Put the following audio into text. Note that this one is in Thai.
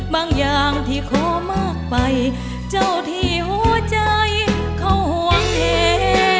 อย่างที่ขอมากไปเจ้าที่หัวใจเขาห่วงเฮ